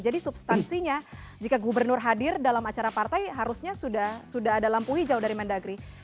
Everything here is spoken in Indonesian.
jadi substansinya jika gubernur hadir dalam acara partai harusnya sudah ada lampu hijau dari mendagri